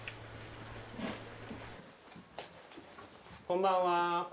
こんばんは。